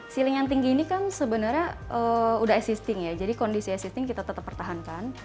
feeling yang tinggi ini kan sebenarnya udah assisting ya jadi kondisi existing kita tetap pertahankan